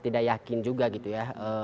tidak yakin juga gitu ya